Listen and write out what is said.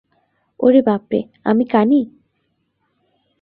ওরে বাপরে, আমি কানী!